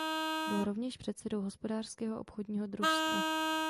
Byl rovněž předsedou hospodářského obchodního družstva.